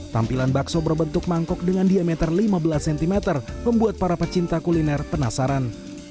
tampilan bakso berbentuk mangkok dengan diameter lima belas cm membuat para pecinta kuliner penasaran